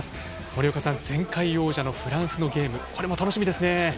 森岡さん、前回王者のフランスのゲーム楽しみですね。